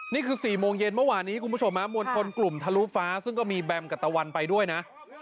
นี่คือ๔โมงเย็นเมื่อวานนี้คุณผู้ชมมวลชนกลุ่มทะลุฟ้าซึ่งก็มีแบมกับตะวันไปด้วยนะ